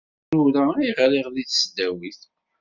D takrura ay ɣriɣ deg tesdawit.